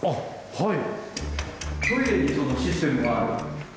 はい。